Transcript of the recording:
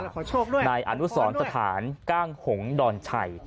ขอโชคด้วยขอพอด้วยในอนุสรรค์สถานกล้างหงศ์ดอนชัย